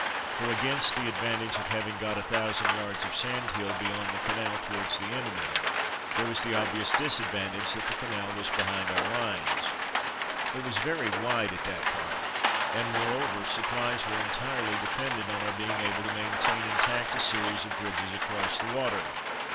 For, against the advantage of having got a thousand yards of sand hill beyond the canal towards the enemy, there was the obvious disadvantage that the canal was behind our lines. It was very wide at that An '^ Airy'' Bit of Line i8i part, and moreover, supplies were entirely dependent on our being able to maintain intact a series of bridges across the water.